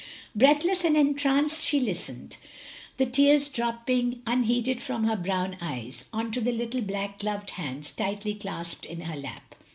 Breathless and entranced she listened, the tears dropping unheeded from her brown eyes on to the little black gloved hands tightly clasped in her lap.